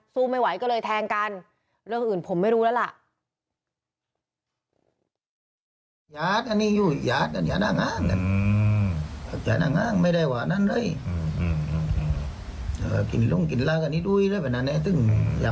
สุดท้าย